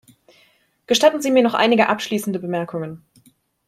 Gestatten Sie mir noch einige abschließende Bemerkungen.